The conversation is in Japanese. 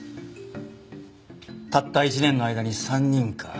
たった１年の間に３人か。